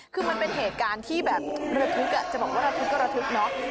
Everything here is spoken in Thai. คือมันเป็นเหตุการณ์ที่แบบระทึกจะบอกว่าระทึกก็ระทึกเนอะ